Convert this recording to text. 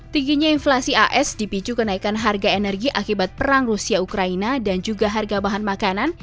tingginya inflasi as dipicu kenaikan harga energi akibat perang rusia ukraina dan juga harga bahan makanan